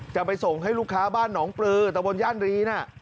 จะไปส่งให้ลูกค้าบ้านหนองปลือตะบนย่านรีน่ะ